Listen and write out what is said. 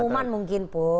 pengumuman mungkin pun